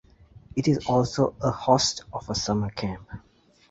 It is also a host of a summer camp.